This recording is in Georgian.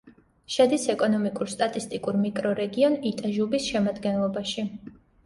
შედის ეკონომიკურ-სტატისტიკურ მიკრორეგიონ იტაჟუბის შემადგენლობაში.